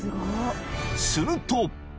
［すると］